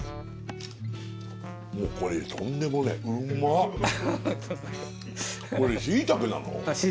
もうこれとんでもない。